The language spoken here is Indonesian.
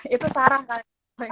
itu sarang kali